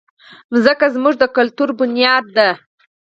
مځکه زموږ د کلتور بنیاد ده.